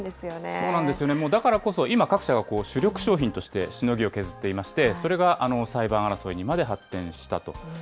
そうなんですよね、だからこそ今、各社が主力商品としてしのぎを削っていまして、それが裁判争いにまで発展したと。